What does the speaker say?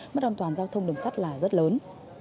mất an toàn giao thông đường sắt là rất lớn